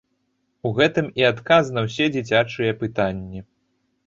У гэтым і адказ на ўсе дзіцячыя пытанні.